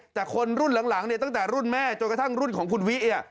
แต่คนรุ่นหลังเนี่ยตั้งแต่รุ่นแม่จนกระทั่งรุ่นของคุณวิ